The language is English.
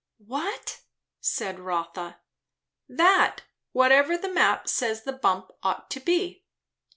"What?" said Rotha. "That; whatever the map says the bump ought to be."